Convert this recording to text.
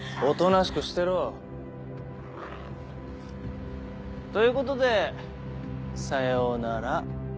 おとなしくしてろ。ということでさようなら